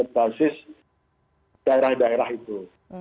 basis daerah daerah itu